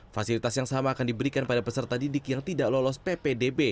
fasilitas yang sama akan diberikan pada peserta didik yang tidak lolos ppdb